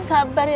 sabar ya nak ya